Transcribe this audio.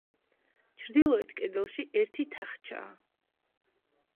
ჩრდილოეთ კედელში ერთი თახჩაა.